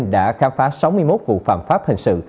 đã khám phá sáu mươi một vụ phạm pháp hình sự